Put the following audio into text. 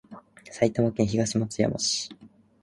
埼玉県東松山市